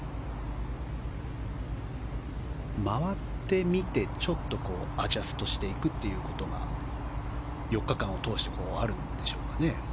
回ってみてちょっとアジャストしていくということが４日間を通してあるんでしょうかね。